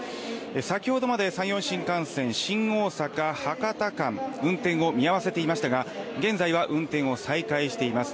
先ほどまで山陽新幹線は新大阪博多間で運転を見合わせていましたが現在は運転を再開しています。